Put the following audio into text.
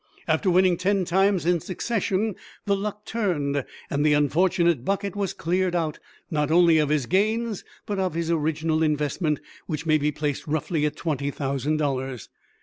After winning ten times in succession the luck turned, and the unfortunate "bucket" was cleared out not only of his gains, but of his original investment, which may be placed roughly at twenty thousand dollars.